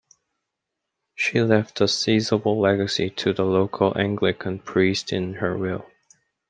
She left a sizeable legacy to the local Anglican priest in her will.